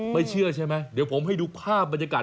ไม่เชื่อใช่ไหมเดี๋ยวผมให้ดูภาพบรรยากาศ